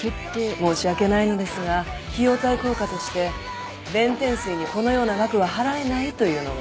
申し訳ないのですが費用対効果として弁天水にこのような額は払えないというのが新社長の方針でして